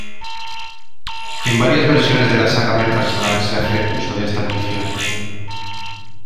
En varias versiones de la saga "Metal slug" se hace uso de esta munición.